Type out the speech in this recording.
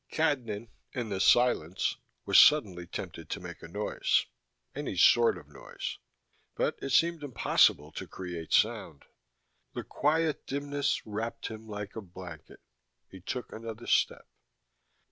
Cadnan, in the silence, was suddenly tempted to make a noise, any sort of noise but it seemed impossible to create sound. The quiet dimness wrapped him like a blanket. He took another step.